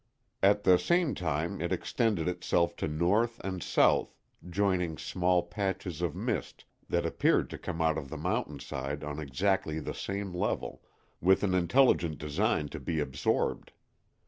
At the same time it extended itself to north and south, joining small patches of mist that appeared to come out of the mountainside on exactly the same level, with an intelligent design to be absorbed.